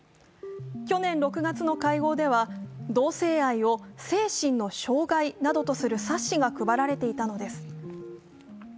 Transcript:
去年６月の会合では同性愛を精神の障害などとする冊子が配られていたのです。